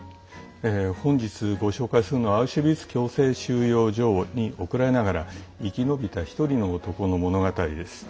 本日ご紹介するのはアウシュヴィッツ強制収容所に送られながら生き延びた一人の男の物語です。